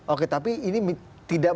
oke tapi ini tidak